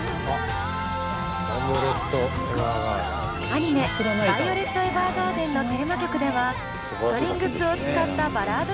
アニメ「ヴァイオレット・エヴァーガーデン」のテーマ曲ではストリングスを使ったバラード曲を制作。